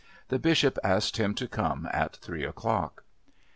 The Bishop asked him to come at three o'clock.